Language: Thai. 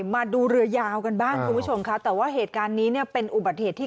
มาดูเรือยาวกันบ้างคุณผู้ชมค่ะแต่ว่าเหตุการณ์นี้เนี่ยเป็นอุบัติเหตุที่